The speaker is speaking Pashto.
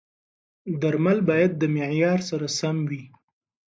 درمل باید د معیار سره سم وي.